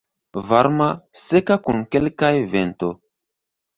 Varma, seka kun kelkaj vento.